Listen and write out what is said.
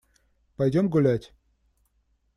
Пойдем гулять!